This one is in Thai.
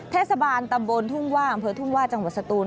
เทศบาลตำบลทุ่งว่าอำเภอทุ่งว่าจังหวัดสตูน